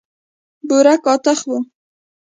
بوره کاخته وه.